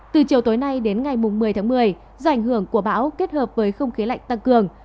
từ chiều tối nay đến ngày một mươi tháng một mươi do ảnh hưởng của bão kết hợp với không khí lạnh tăng cường